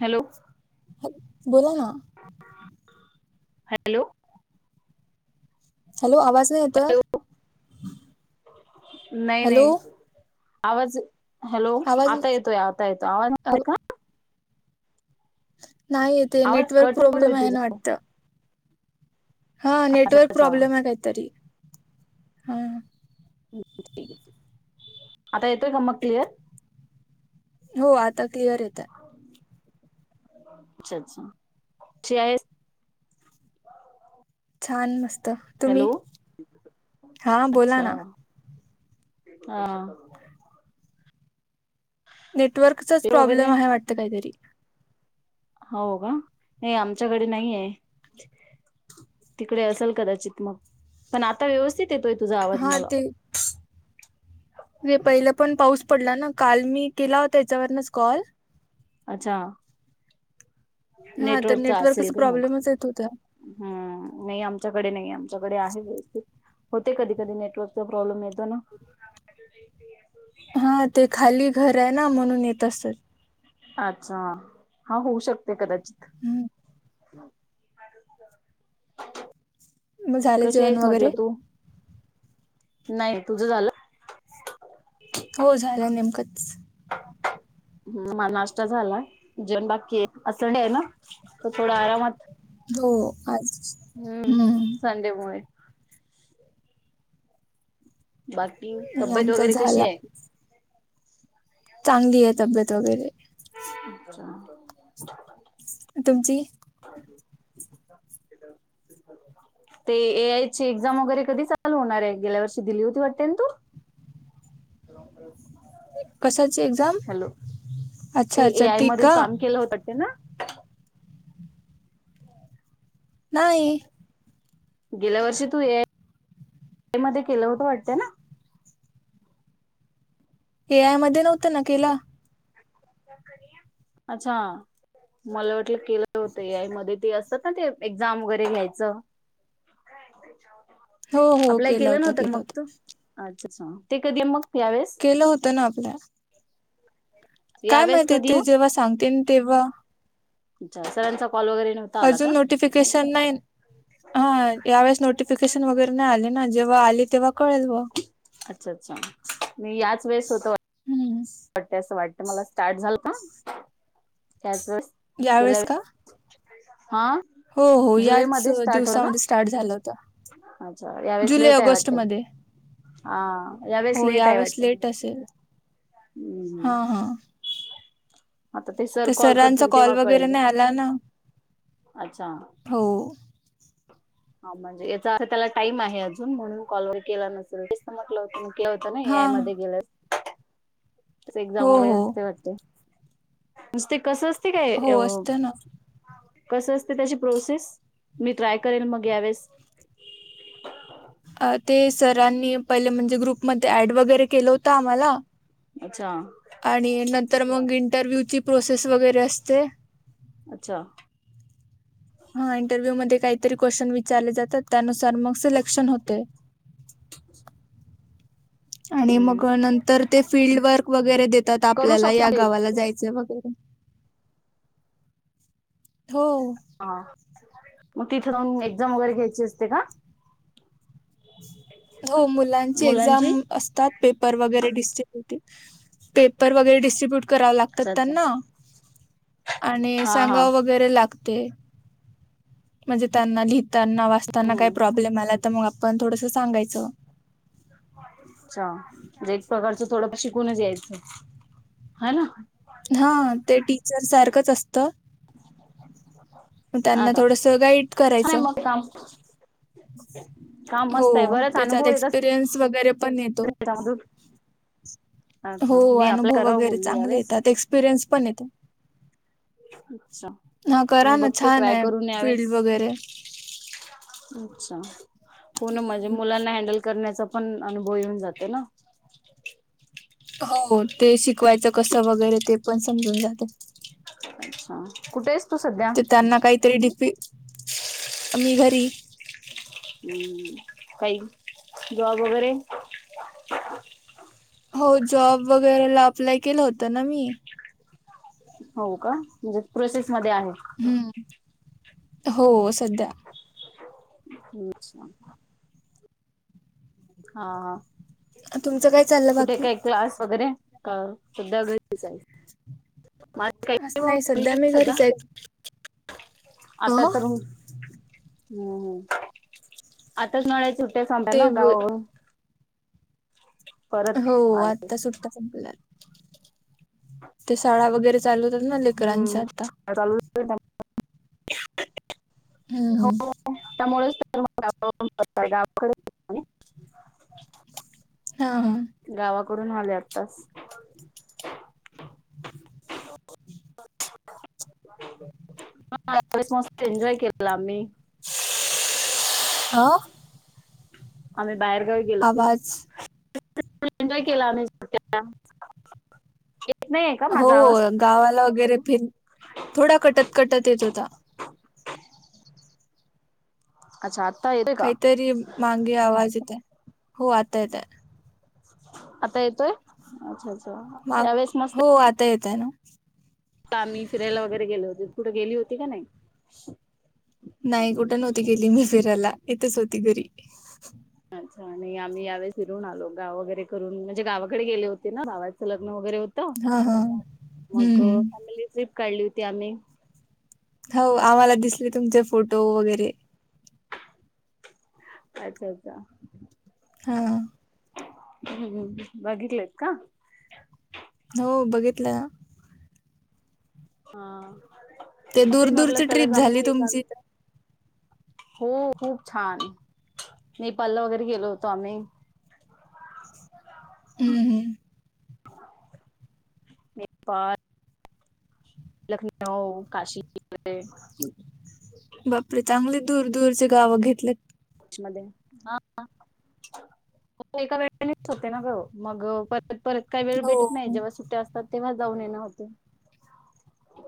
Hello बोला ना. Hello hello आवाज नाही येतेय? हॅलो नाही नाही आवाज हॅलो आवाज आता येतोय आता येतोय आवाज आव [unintelligible] का नाही व तेे आवाज नेटवर्क कट होतोय प्रॉब्लेम आहे तुझा ना वाटतं. हा अच्छा नेटवर्क अच्छा प्रॉब्लेम आहे काहीतरी. हम्म [unintelligible] आता येतोय का मग क्लिअर? हो आता क्लिअर येत आहे. अच्छा अच्छा. छान मस्त, तुम्ही? हॅलो हा बोला अच्छा ना. हा. नेटवर्कचाच ते वगैरे प्रॉब्लेम आहे वाटतं काहीतरी. हो हो, हे आमच्या घरी नाहीये. तिकडे असेल कदाचित मग, पण आता व्यवस्थित येतोय तुझा आवाज मला. हेे पहिलं पण पाऊस पडला ना. काल मी केला होता याच्यावरनच कॉल. अच्छा. हां, तर नेटवर्कचा असेल गं मग. प्रॉब्लेमच येत होता. हम्म नाही आमच्याकडे नाही आमच्याकडे आहे व्यवस्थित. होते कधी कधी नेटवर्कचा प्रॉब्लेम येतो ना. हां, ते खाली घर आहे ना म्हणून येत असल. अच्छा हा होऊ शकते कदाचित. हम्म. [unintelligible] मग झालं कशी जेवण आहेस वगैरे? म्हटलं तू? नाही तुझं झालं? हो झालं नेमकंच. हम्म नाष्ता झाला, जेवन बाकीये. आज संडे आहे ना? त थोडा आरामात. हो आज हम्म संडे मुळे. बाकी तब्येत आमचा वगैरे झाला कशीये? चांगली आहे तब्येत वगैरे. अच्छा. तुमची [inaudible] ते ए आय ची एक्झाम वगैरे कधी चालू होणार आहे? गेल्या वर्षी दिली होती वाटतेना तू? कशाची एक्झाम [unintelligible] हॅलो, अच्छा ते ए अच्छा आय ती मध्ये का काम केलं होत ते ना? नाही. गेल्या वर्षी तू ए आय मध्ये केलं होतं वाटत ना? ए आय मध्ये नव्हतं ना केला. अच्छा, मला वाटलं केलं होत ए आय मध्ये ते असजी हा ते एक्झाम वगैरे घ्यायचं. हो हो अप्लाय केलं होतं नव्हत न मग होतं तू? अच् ते कधी मग? यावेळेस केलं होतं ना अप्लाय. काय यावेळेस माहिती, कधी ते मग जेव्हा सांगतेन तेव्हा. अच्छा सरांचा कॉल वगैरे नव्हता आला अजून का नोटिफिकेशन नाही हा यावेेळेस नोटिफिकेशन वगैरे नाही आले ना. जेव्हा आले तेव्हा कळेल. अच्छा म याच वेळेस होतं वा हम्म. वाटतंय असं वाटतं मला. स्टार्ट झालं ना, त्याच वेळेस गेल्या यावेेळेस वेळेस का? हा हो, हो, जुलै याच मध्ये स्टार्ट हो ना दिवसामध्ये स्टार्ट झालं होत. अच्छा यावेळेस जुलै, लेट आहे ऑगस्ट वाटते मध्ये. हा यावेळेस हो, लेट आहे यावेेळेस वाटते लेट असेल. हम्म हा, हा. आता ते सर तर कॉल सरांचा करतील तेव्हा कॉल वगैरे कळेल. नाही आला ना अच्छा, हो हा म्हणजे याचा अर्थ त्याला टाइम आहे अजून,, म्हणून कॉल वर केला नसेल,, ते म्हटलं होतं म. होत ना ए हा आय मध्ये गेलं. एक्झाम हो हो वगैरे वाटते,, नुसते कस अस हो असत ना. कस असते त्याची प्रोसेस,,, मी ट्राय करेन मग यावेळेस. अ, ते सरांनी पहिले म्हणजे ग्रुपमध्ये ऍड वगैरे केलं होत आम्हाला.. अच्छा आणि नंतर मग इंटरव्ह्यूची प्रोसेस वगैरे असते. अच्छा हा इंटरव्ह्यू मध्ये काहीतरी क्वेश्चन विचारले जातात,, त्यानुसार मग सिलेक्शन होतेय. रिकामा ऑडिओ आणि मग नंतर ते फीलल्ड वर्क वगैरे देतात करू आपल्याला,, या शकते गावाला जायच वगैरे... हो.. हा मग तिथे जाऊन एक्झाम वगैरे घ्यायची असते का? हो मुलांची मुलांची एक्झाम असतात, पेपर वगैरे दिस [unintelligible] पेपर वगैरे डिस्ट्रीब्युट कराव लागतात अच्छा अच्छा त्यांना. आणि हा हा सांगाव वगैरे लागतंय, म्हणजे त्यांना लिहित ताना, वाचताना काय हम्म प्रॉब्लेम आला तर मग आपण थोडस सांगायचं. थोडंफ शिकूनच यायचं, हा ना. हा, ते टीचर सारखंच असतं. म त्यांना आता थोडस गाईड छान आहे करायचं,. मग काम काम मस्त आहे हो,,, बरेच त्याच्यात अनुभव येत असतील एक्सपिरियन्स वगैरे पण येतो. त्याच्यामधून हो, अच्छा मी अप्लाय अनुभव करावं वगैरे बोलली चांगले यावेळेस येतात, एक्सपिरियन्स पण येतो. अच्छा, हां, करा मी ना बघते छान ट्राय आहे करून फील्ड यावेळेस. वगैरे. अच्छा,, हो ना म्हणजे हम्म. मुलांना हँडल करण्याचा आपण अनुभव येऊन जाते ना. हो ते शिकवायचं कसं वगैरे ते पण समजून जाते. हा कुठे आहेस तू सध्या ते त्यांना काहीतरी डिफि अ्मी घरी... हम्म,, काही जॉब वगैरे... हो जॉब वगैरेला अप्लाय केलं होत ना मी. हो का? म्हणजे प्रोसेसमध्येध्ये आहे,. हम्म. हो सध्या. अच्च्छा. हा, ह, तुमचं काय चाललं कुठे बाकी? काय क्लास वगैरे? हा सध्या घरीच आहे. आज नाही सध्या मी घरीच [unintelligible] आहे. आता तर अ? हम् [unintelligible] टेच आले ते ना ब- गावावरून. परत हो, आले आत्ता सुट्टा संपल्या. ते शाळा वगैरे चालू होतात ना लेकरांच आता. रिकामा ऑडिओ हम, हम. [inaudible] हा, हा. करून आले आत्ताचं. रिकामा ऑडिओ हा मस्त [unintelligible] एन्जॉय केला आम्ही. अ. आम्ही बाहेरगावी गेलतो. आवाज एन्जॉय केला आम्ही. [unintelligible] हो माझा आवाज? गावाला वगैरे फिर थोडा कटत कटत येत होता. अच्छा येतोय का? काहीतरी मांगे आवाज येत हो आता येतोय. आता येतोय? अच्छा अच्छा मग यावेळेस मस्त हो आता येतय. आम्ही फिरायला वगैरे गेलेो होते कुठे गेली होती का नाही? नाही कुठं नव्हती गेली मी फिरायला इथेच होती घरी. अच्छा आणि आम्ही यावेळेस फिरून आलो गाव वगैरे करून म्हणजे गावाकडे गेले होते ना गावाचं लग्न वगैरे होत हां, हां. हं, मग हं. फॅमिली ट्रिप काढली होती आम्ही. हो आम्हाला दिसले तुमचे फोटो वगैरे. अच्छा अच्छा हां. हम्म बघितलेत का? हो बघितलं. हा ते तेच म्हटलं दूर-दूरची त्याला ट्रिप जमीन झाली वहिल का ग? तुमची तर. हो खूप छान नेपाला वगैरे गेलो होतो आम्ही. रिकामा ऑडिओ हम्म हम्. मी पार. लखनऊ, काशी बापरे चांगले दूर दूरचे गावं घेतल्या एका वेनेच होते ना ग मग पर परत काही वेळ हो. भेटत नाही जेव्हा सुट्ट्या असतात तेव्हा जाऊन येणार होते.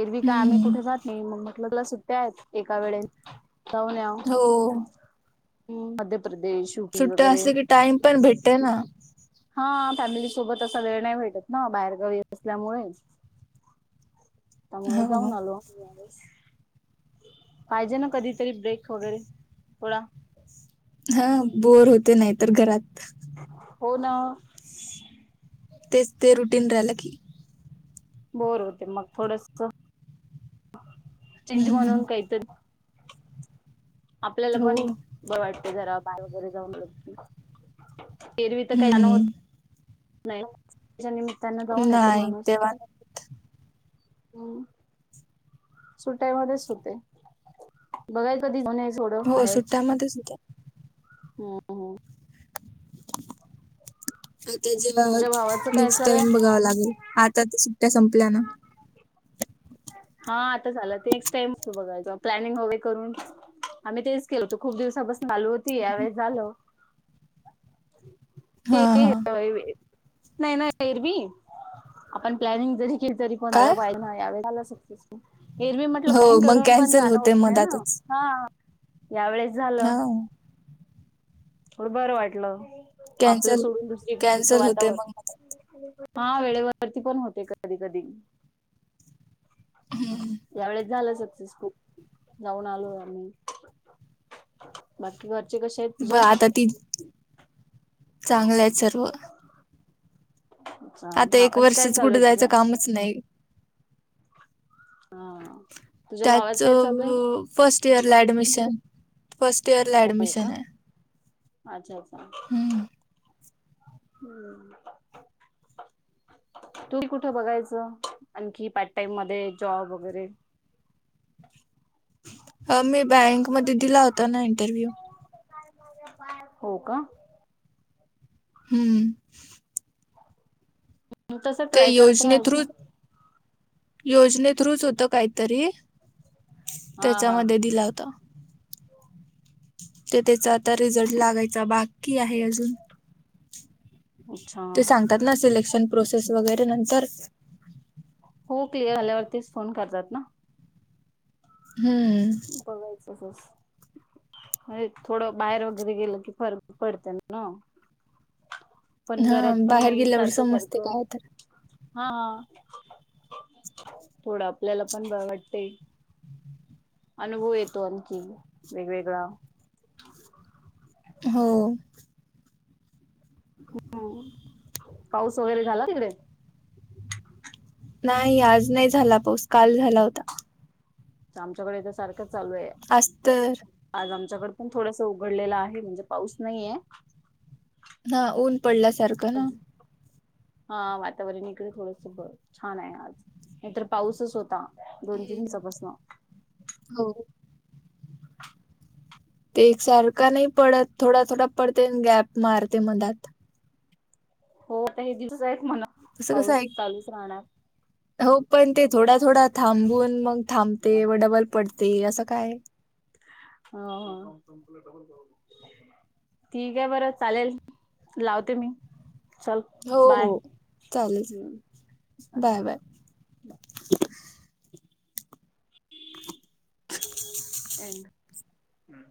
एरवी काय हं, आम्ही हं. कुठे जात नाही मग मट ल सुट्ट्या आहेत एका वेळेेत. तव हो. [unintelligible] मध्ये. सुट्ट्या असते की टाइम पण भेटते ना. हा फॅमिली सोबत असा वेळ नाही भेटत ना बाहेरगावी असल्यामुळे. त्यामुळे हो. जाऊन आलो. पाहिजे ना कधीतरी ब्रेक वगैरे थोडा. हा बोर होते नाही तर घरात. हो ना तेच ते रुटीन राहिलं की. बोर होते मग थोडंसं. चेंज हं, हं. म्हणून काहीतरी. आपल्याला हो. पण बर वाटते जरा बाय वगैरे जाऊन ब येरवी तर काही जाण होत हं. नाही त्या. त्यांना जाऊन येते नाही, माणूस. तेव्हा नाही होत. सुट्ट्या मधेच होते बघाय कधीन. हो सुट्ट्यामध्ये सुद्धा हम्म ह त्या जेव्हा तुझ्या भावाचं काय नेक्स्ट चालू आहे टाइम बघावा लागेल आता त्या सुट्ट्या संपल्या ना. हा आता झाला ते नेक्स्ट टाइम बघायचा प्लॅनिंग हवे करून घ्यायचं. आम्ही तेच केल होतो खूप दिवसापासून चालू होती या वेळेस झाल. ते हां, हां. नाही नाही एरवी आपण प्लॅनिंग जरी तरी कोणालं काय? पाहिज यावेला सस. हिरवी म्हटलं हो, पण मग गरवी पण कॅन्सल जाणं होत होते नाही ना मधातच. हा. यावेेळेस झालं. हां, थोड बरं वाटल आपल कॅन्सल सोडून दुसर कडच कॅन्सल होते मग वातावरण. मधात. हा वेळेवरती पण होते कधी कधी. हं, यावेळेच झाल. जाऊन आलो आम्ही बाकी काय? ब आता ती चांगलत आहे सर्व. आता एक भावाच काय वर्षच चालू कुठे आहे जायच तुझ्या कामच नाही. हा. तुझ्या त्याच भावाच काय चालू आहे फर्स्ट इयरला ऍडमिशन. फर्स्ट इयर ला हो का ऍडमिशन आहे हम्म. हम्म. तुम्ही कुठं बघायचं आणखी पार्ट टाइम मध्ये जॉब वगैरे. - [inaudible] हा मी बँकमध्ये दिला होता ना इंटरव्ह्यू. हो का? हम्म. तसं तो ट्राय करत योजने थ्रू राहायचं योजने थ्रुच होत काहीतरी हा हा त्याच्यामध्ये दिला होता. ते त्याचा आता रिझल्ट लागायचा बाकी आहे अजून. अच्छा ते सांगतात ना सिलेक्शन प्रोसेस वगैरे नंतर. हो क्लिअर आल्यावरतीच फोन करतात ना. हम्म बघायच असच. अ थोड बाहेर वगैरे गेल की फरक पडतय ना. पण हा घरात पण बाहेर नाही गेल्यावर सारखं समजते सारखं. काय तर हा थोड आपल्याला पण बर वाटतय. अनुभव येतो आणखी वेगवेगळा. हो. ह पाऊस वगैरे झाला तिकडे? नाही आज नाही झाला पाऊस काल झाला होता. आमच्याकडे तर सारखंच चालू आहे आज तर आज आम च्याकड पण थोडस उघडलेल आहे म्हणजे पाऊस नाहीये. हा ऊन पडल्यासारख ना. हा वातावरण इकडे थोडस ब छान आहे आज नाहीतर पाऊसच होता. दोन तीन हम्म. दिवसा पासनं. हो ते एकसारखा नाही पडत थोडा थोडा पडते गॅप मारते मधात. होता हे दिवस आहेत म्हणं असं कसं पाऊस आहे चालूच राहणार. हो पण ते थोडा थोडा थांबून मग थांबते व डबल पडते अस काय. ह हा ठीक आहे बरे चालेल. लावते मी. चल हो हो बाय चालेल. हम्म बाय बाय. [inaudible] येंड हम्म.